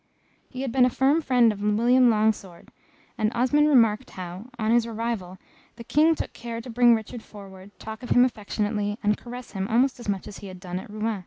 He had been a firm friend of William Longsword, and Osmond remarked how, on his arrival, the King took care to bring Richard forward, talk of him affectionately, and caress him almost as much as he had done at Rouen.